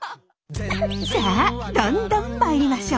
さあどんどんまいりましょう！